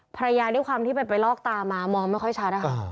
ด้วยความที่ไปลอกตามามองไม่ค่อยชัดนะคะ